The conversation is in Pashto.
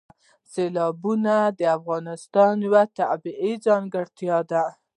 سیلابونه د افغانستان یوه طبیعي ځانګړتیا ده.